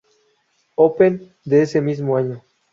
Open de ese mismo año.